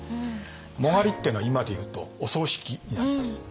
殯っていうのは今で言うとお葬式になります。